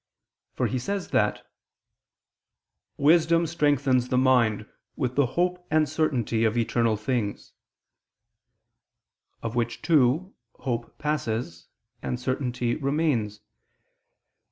For he says that "wisdom strengthens the mind with the hope and certainty of eternal things"; of which two, hope passes, and certainty remains.